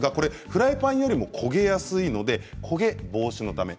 フライパンよりも焦げやすいので焦げ防止のため。